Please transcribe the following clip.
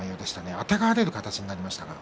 あてがわれる形になりましたが。